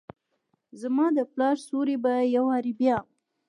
زما دپلا ر سیوري به یووارې بیا،